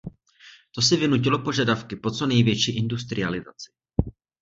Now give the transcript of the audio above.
To si vynutilo požadavky po co největší industrializaci.